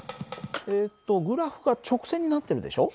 えっとグラフが直線になってるでしょ。